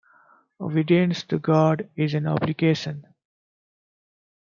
Obedience to God is an obligation.